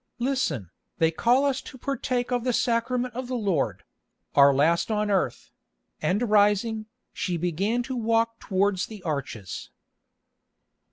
Listen, they call us to partake of the Sacrament of the Lord—our last on earth"; and rising, she began to walk towards the arches.